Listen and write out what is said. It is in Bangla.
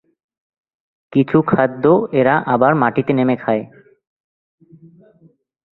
কিছু খাদ্য এরা আবার মাটিতে নেমে খায়।